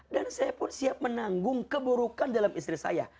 dan saya pun siap menanggung keburukan dalam istri saya